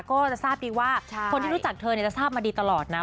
ก็จะทราบดีว่าคนที่รู้จักเธอจะทราบมาดีตลอดนะ